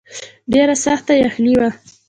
ډېره سخته یخني وه.